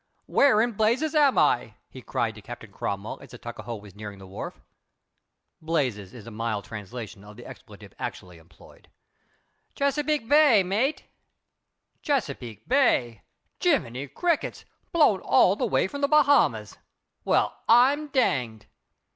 "Where in blazes am I?" he yelled to Captain Cromwell as the Tuckahoe was nearing the wharf. "Blazes" is a mild translation of the expletive actually employed. "Chesapeake bay, mate." "Chesapeake bay! Jiminy crickets! Blown all the way from the Bahamas! Well, I'm danged!"